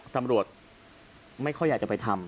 ตำรวจไม่ค่อยอยากจะไปทำ